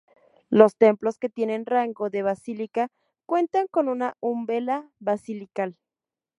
Los templos que tienen rango de basílica cuentan con una umbela basilical.